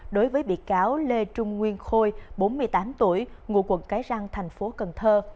đối với bị cáo lê trung nguyên khôi bốn mươi tám tuổi ngụ quận cái răng thành phố cần thơ